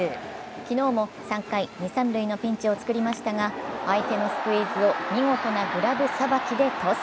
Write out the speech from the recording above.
昨日も３回二・三塁のピンチを作りましたが相手のスクイズを見事なグラブさばきでトス。